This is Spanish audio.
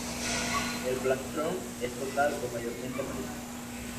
El plastrón es total o mayormente amarillo.